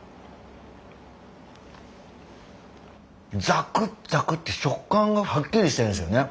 ザクザクって食感がはっきりしてるんですよね。